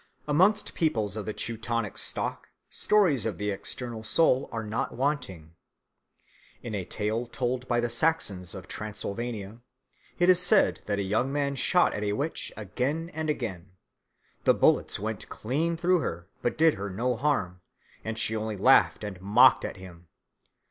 Amongst peoples of the Teutonic stock stories of the external soul are not wanting. In a tale told by the Saxons of Transylvania it is said that a young man shot at a witch again and again. The bullets went clean through her but did her no harm, and she only laughed and mocked at him.